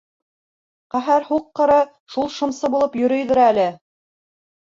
Ҡәһәр һуҡҡыры, шул шымсы булып йөрөйҙөр әле.